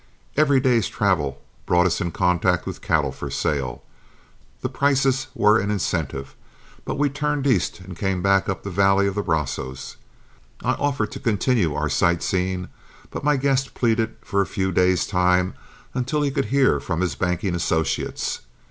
Every day's travel brought us in contact with cattle for sale; the prices were an incentive, but we turned east and came back up the valley of the Brazos. I offered to continue our sightseeing, but my guest pleaded for a few days' time until he could hear from his banking associates.